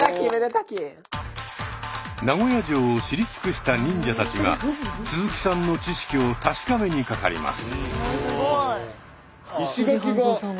名古屋城を知り尽くした忍者たちが鈴木さんの知識を確かめにかかります。